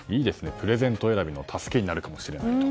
プレゼント選びの助けになるかもしれないと。